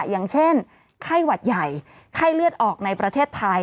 อย่างเช่นไข้หวัดใหญ่ไข้เลือดออกในประเทศไทย